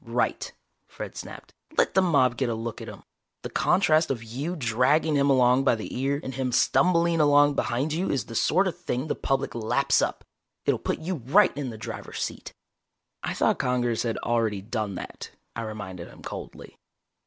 "Right," Fred snapped. "Let the mob get a look at him. The contrast of you dragging him along by the ear and him stumbling along behind you is the sort of thing the public laps up. It'll put you right in the driver's seat." "I thought Congress had already done that," I reminded him coldly.